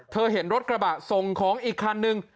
เห็นรถกระบะส่งของอีกคันนึง